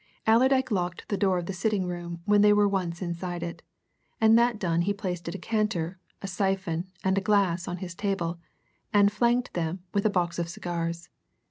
Allerdyke locked the door of the sitting room when they were once inside it, and that done he placed a decanter, a syphon, and a glass on his table, and flanked them with a box of cigars.